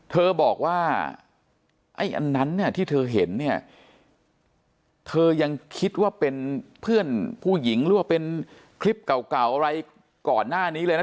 เธอบอกว่าไอ้อันนั้นเนี่ยที่เธอเห็นเนี่ยเธอยังคิดว่าเป็นเพื่อนผู้หญิงหรือว่าเป็นคลิปเก่าอะไรก่อนหน้านี้เลยนะ